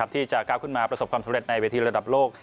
ที่จะก้าวขึ้นมาประสบความสำเร็จในเวทีระดับโลก